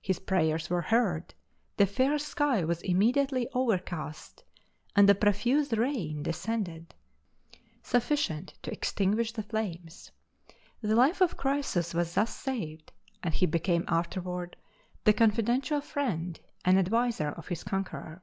His prayers were heard, the fair sky was immediately overcast and a profuse rain descended, sufficient to extinguish the flames. The life of Croesus was thus saved, and he became afterward the confidential friend and adviser of his conqueror.